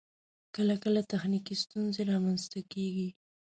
کله کله تخنیکی ستونزې رامخته کیږی